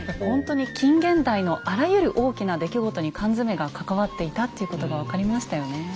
ほんとに近現代のあらゆる大きな出来事に缶詰が関わっていたっていうことが分かりましたよね。